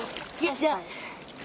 じゃあ。